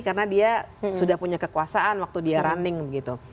karena dia sudah punya kekuasaan waktu dia running begitu